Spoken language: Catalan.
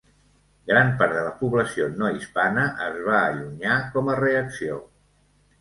Gran part de la població no hispana es va allunyar com a reacció.